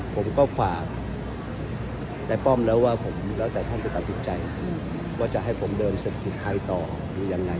ผมก็ฝากในป้อมแล้วว่าผมแล้วแต่ท่านจะตัดสินใจว่าจะให้ผมเดินเศรษฐกิจไทยต่อหรือยังไง